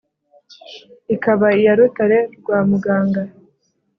Ikaba iya Rutare rwa Muganga.